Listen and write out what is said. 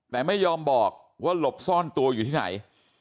แต่ไม่ยอมบอกว่าหลบซ่อนตัวอยู่ที่ไหน